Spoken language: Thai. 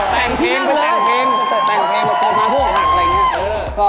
แปลงเพลงไปครบช้าพ่อค่ะ